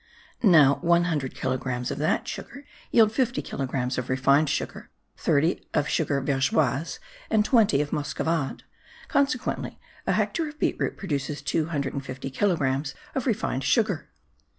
Now, one hundred kilogrammes of that sugar yield fifty kilogrammes of refined sugar, thirty of sugar vergeoise, and twenty of muscovade; consequently, a hectare of beet root produces 250 kilogrammes of refined sugar.